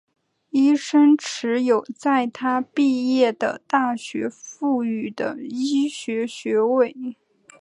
医生持有在他毕业的大学赋予的医学学位。